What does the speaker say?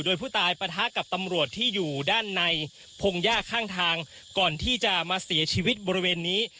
โดยผู้ตายปะทะกับตำรวจที่อยู่ด้านในพงหญ้าข้างทางก่อนที่จะมาเสียชีวิตบริเวณนี้